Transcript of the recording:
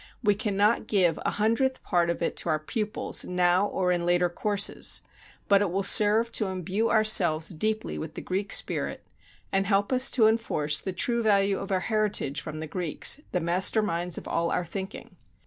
We cannot give a hundredth part of it to our pupils, now, or in later courses; but it will serve to imbue ourselves deeply with the Greek spirit, and help us to enforce the true value of our heritage from the Greeks, the master minds of all our thinking.